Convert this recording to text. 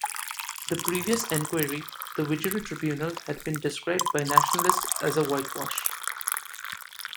The previous inquiry, the Widgery Tribunal, had been described by nationalists as a whitewash.